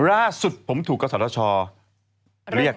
ร่าสุทธิ์ผมถูกกาศตรชอเรียกแต่